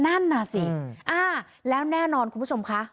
นั่นน่ะสิแล้วแน่นอนคุณผู้ชมคะ